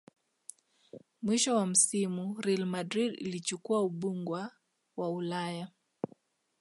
mwisho wa msimu real madrid ilichukua ubungwa wa ulaya